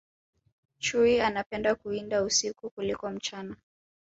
chui anapenda kuwinda usiku kuliko mchana